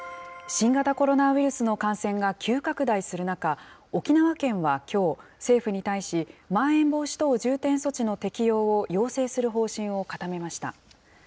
新型コロナウイルスの感染が急拡大する中、沖縄県はきょう、政府に対し、まん延防止等重点措置の適用を要請する方針を固めました。